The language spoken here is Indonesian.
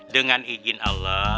dengan izin allah